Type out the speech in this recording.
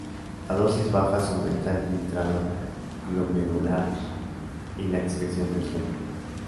A dosis bajas aumenta el filtrado glomerular y la excreción de sodio.